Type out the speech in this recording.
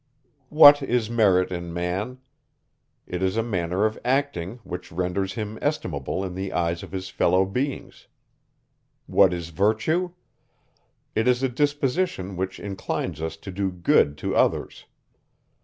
What is merit in man? It is a manner of acting, which renders him estimable in the eyes of his fellow beings. What is virtue? It is a disposition, which inclines us to do good to others.